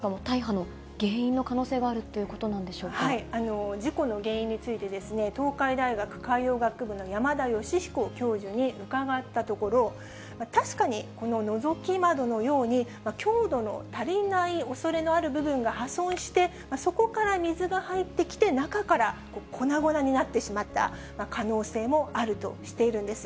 こののぞき窓というのが大破の原因の可能性があるっていうことな事故の原因についてですね、東海大学海洋学部の山田吉彦教授に伺ったところ、確かにこののぞき窓のように、強度の足りないおそれのある部分が破損して、そこから水が入ってきて、中から粉々になってしまった可能性もあるとしているんです。